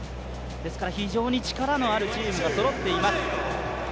非常に力のあるチームがそろっています。